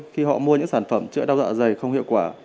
khi họ mua những sản phẩm chữa đau dạ dày không hiệu quả